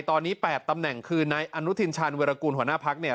ตอนนี้๘ตำแหน่งคือนายอนุทินชาญวิรากูลหัวหน้าพักเนี่ย